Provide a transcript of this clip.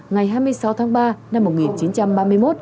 ngày hai mươi sáu tháng ba năm một nghìn chín trăm bốn mươi tám